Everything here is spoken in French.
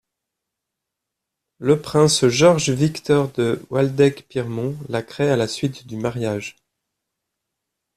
Le prince Georges-Victor de Waldeck-Pyrmont la crée à la suite du mariage.